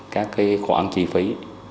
các cái khoản chi phí